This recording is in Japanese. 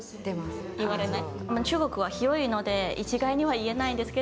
言われない？